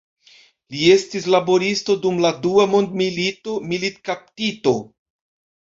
Li estis laboristo, dum la dua mondmilito militkaptito.